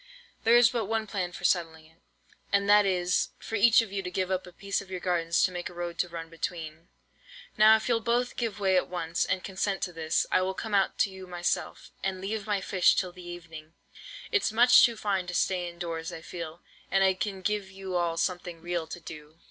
There is but one plan for settling it, and that is, for each of you to give up a piece of your gardens to make a road to run between. Now if you'll both give way at once, and consent to this, I will come out to you myself, and leave my fish till the evening. It's much too fine to stay in doors, I feel; and I can give you all something real to do."